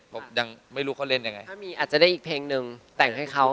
ผมยังไม่รู้เขาเล่นยังไงถ้ามีอาจจะได้อีกเพลงหนึ่งแต่งให้เขา